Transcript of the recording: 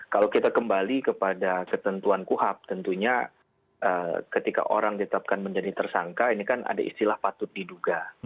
kalau kita kembali kepada ketentuan kuhap tentunya ketika orang ditetapkan menjadi tersangka ini kan ada istilah patut diduga